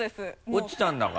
落ちたんだから。